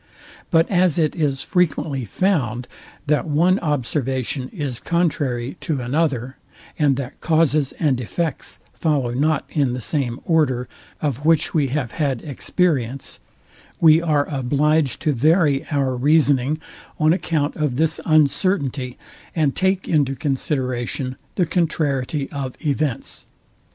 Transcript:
But as it is frequently found, that one observation is contrary to another, and that causes and effects follow not in the same order, of which we have I had experience, we are obliged to vary our reasoning on, account of this uncertainty, and take into consideration the contrariety of events.